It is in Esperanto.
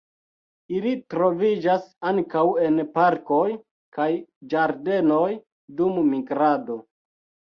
Ili troviĝas ankaŭ en parkoj kaj ĝardenoj dum migrado.